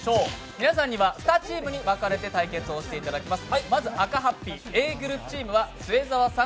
皆さんには２チームに分かれて対戦していただきます。